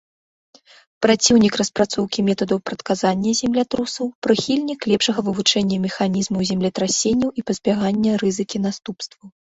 Праціўнік распрацоўкі метадаў прадказання землятрусаў, прыхільнік лепшага вывучэння механізмаў землетрасенняў і пазбягання рызыкі наступстваў.